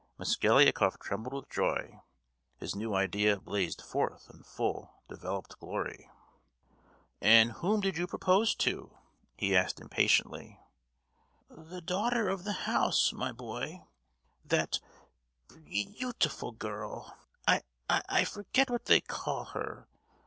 Mosgliakoff trembled with joy: his new idea blazed forth in full developed glory. "And whom did you propose to?" he asked impatiently. "The daughter of the house, my boy; that beau—tiful girl. I—I forget what they call her.